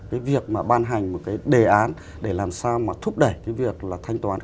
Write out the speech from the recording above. cái việc mà ban hành một cái đề án để làm sao mà thúc đẩy cái việc là thanh toán